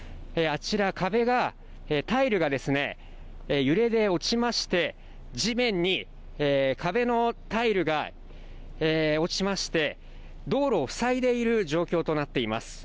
あちら壁がタイルがですね、揺れで落ちまして、地面に壁のタイルが落ちまして、道路をふさいでいる状況となっています。